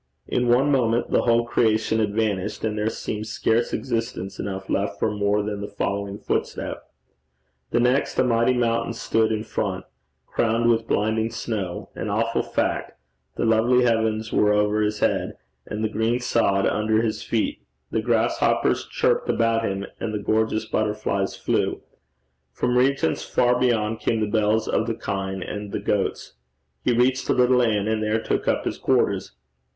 In one moment the whole creation had vanished, and there seemed scarce existence enough left for more than the following footstep; the next, a mighty mountain stood in front, crowned with blinding snow, an awful fact; the lovely heavens were over his head, and the green sod under his feet; the grasshoppers chirped about him, and the gorgeous butterflies flew. From regions far beyond came the bells of the kine and the goats. He reached a little inn, and there took up his quarters.